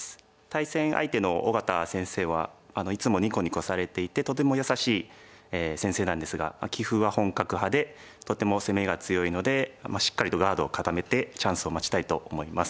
対戦相手の小県先生はいつもニコニコされていてとても優しい先生なんですが棋風は本格派でとても攻めが強いのでしっかりとガードを固めてチャンスを待ちたいと思います。